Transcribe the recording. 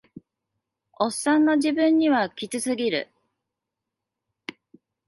オッサンの自分にはキツすぎる